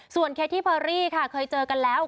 เคที่เพอรี่ค่ะเคยเจอกันแล้ว